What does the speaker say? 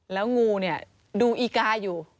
แล้วงูเนี่ยดูอีกาอยู่